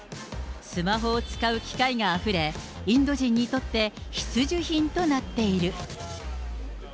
スマホを使う機会があふれ、インド人にとって、必需品となっている。